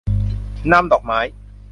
นำดอกไม้